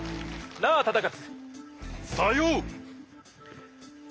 なあ忠勝？